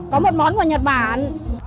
có một món của nhật bản